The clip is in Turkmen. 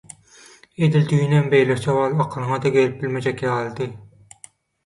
Edil düýnem beýle sowal akylyňa-da gelip bilmejek ýalydy.